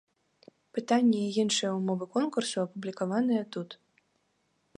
Пытанні і іншыя ўмовы конкурсу апублікаваныя тут.